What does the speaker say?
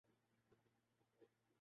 مختلف ممالک کا دورہ کیے